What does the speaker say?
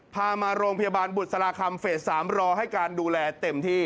พามาโรงพยาบาลบุษราคำเฟส๓รอให้การดูแลเต็มที่